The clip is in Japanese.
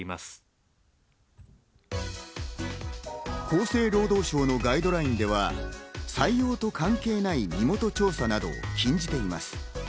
厚生労働省のガイドラインでは採用と関係ない身元調査などを禁じています。